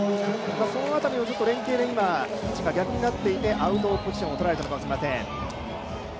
その辺りを連係で今、位置が逆になっていてアウトオブポジションを取られたのかもしれません。